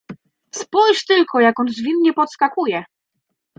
"Spójrz tylko, jak on zwinnie podskakuje."